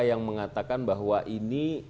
yang mengatakan bahwa ini